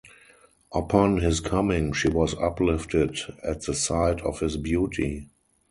Upon his coming, she was uplifted at the sight of his beauty.